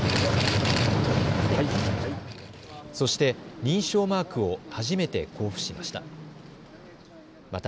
そして、認証マークを初めて交付しました。